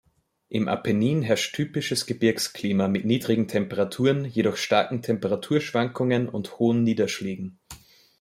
Im Apennin herrscht typisches Gebirgsklima mit niedrigen Temperaturen, jedoch starken Temperaturschwankungen und hohen Niederschlägen.